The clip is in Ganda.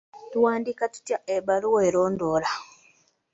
Tuwandiika tutya ebbaluwa erondoola?